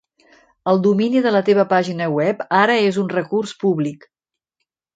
El domini de la teva pàgina web ara és un recurs públic.